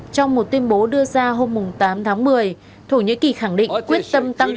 trong một tuyên bố đưa ra hôm tám tháng một mươi thổ nhĩ kỳ khẳng định quyết tâm tăng